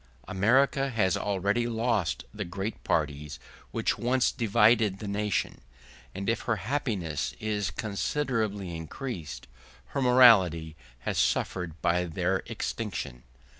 America has already lost the great parties which once divided the nation; and if her happiness is considerably increased, her morality has suffered by their extinction.